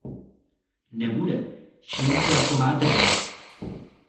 Nebude, čím to jako má držet?